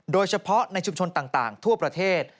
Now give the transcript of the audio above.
โดยเฉพาะในชุมชนต่างทั่วประเทศ